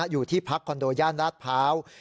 อยู่ที่พักคอนโดย่านราชพร้าว